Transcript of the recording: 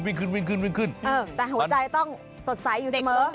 แต่หัวใจต้องสดใสอยู่เสมอ